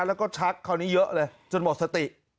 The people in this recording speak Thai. แล้วก็ชักคราวนี้เยอะเลยจนหมดสติ